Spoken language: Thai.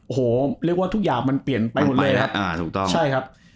โอ้โหเรียกว่าทุกอย่างมันเปลี่ยนไปหมดเลย